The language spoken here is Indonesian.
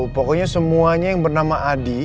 pokoknya semuanya yang bernama adi